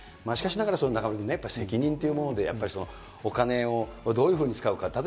しかしながら、中丸君ね、責任というもので、やっぱり、お金をどういうふうに使うか。